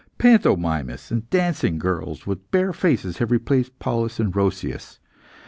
Pantomimists, and dancing girls with bare faces, have replaced Paulus and Roscius.